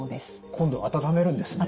今度は温めるんですね。